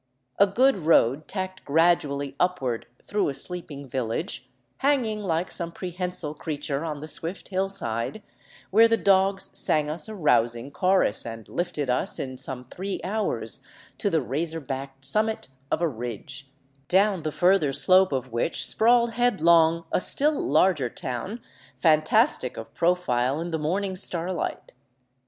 A good road tacked gradually upward through a sleeping village, hanging like some prehensile crea ture on the swift hillside, where the dogs sang us a rousing chorus, and lifted us in some three hours to the razor backed summit of a ridge, down the further slope of which sprawled headlong a still larger town, fantastic of profile in the morning starlight.